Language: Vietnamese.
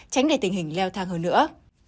tránh để tình hình leo thang hơn nữa